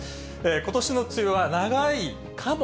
ことしの梅雨は長いかも？